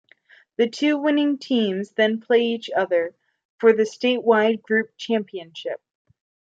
The two winning teams then play each other for the statewide Group championship.